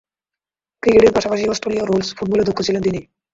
ক্রিকেটের পাশাপাশি অস্ট্রেলীয় রুলস ফুটবলে দক্ষ ছিলেন তিনি।